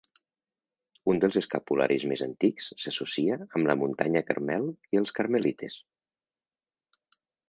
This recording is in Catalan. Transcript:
Un dels escapularis més antics s'associa amb la Muntanya Carmel i els carmelites.